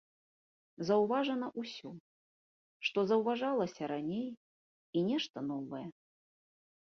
Заўважана ўсё, што заўважалася раней, і нешта новае.